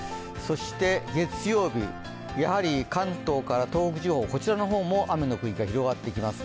月曜日、やはり関東から東北地方の方も雨の区域が広がってきます。